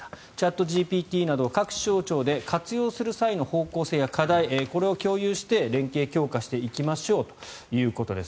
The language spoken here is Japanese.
チャットＧＰＴなど各省庁で活用する際の方向性や課題をこれを共有して、連携強化していこうということです。